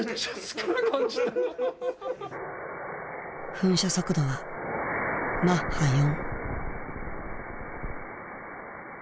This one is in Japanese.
噴射速度はマッハ４。